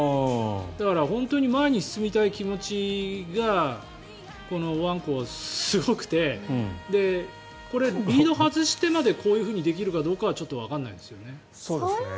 だから本当に前に進みたい気持ちがこのワンコはすごくてこれ、リード外してまでこれをできるかどうかはちょっとわからないですよね。